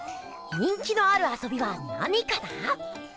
人気のあるあそびは何かな？